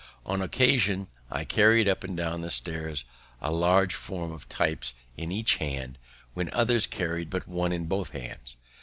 On occasion, I carried up and down stairs a large form of types in each hand, when others carried but one in both hands.